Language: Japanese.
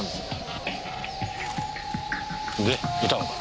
いたのか？